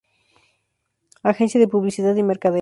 Agencia de Publicidad y mercadeo.